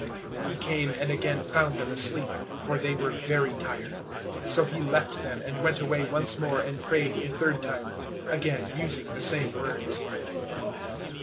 026:043 He came and again found them asleep, for they were very tired. 026:044 So He left them, and went away once more and prayed a third time, again using the same words.